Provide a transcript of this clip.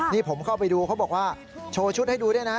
นี่ผมเข้าไปดูเขาบอกว่าโชว์ชุดให้ดูด้วยนะ